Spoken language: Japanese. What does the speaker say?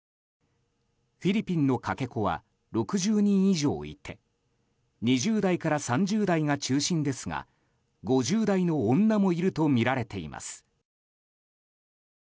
フィリピンのかけ子は６０人以上いて２０代から３０代が中心ですが５０代の女もいるとみられています。